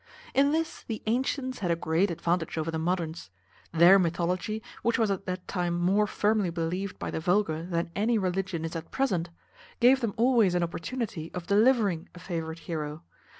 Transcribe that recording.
In this the antients had a great advantage over the moderns. Their mythology, which was at that time more firmly believed by the vulgar than any religion is at present, gave them always an opportunity of delivering a favourite heroe.